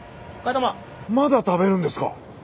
まだ食べるんですか！？